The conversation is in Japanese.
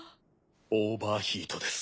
オーバーヒートです。